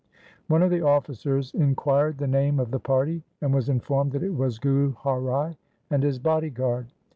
One of the officers inquired the name of the party and was informed that it was Guru Har Rai and his bodyguard.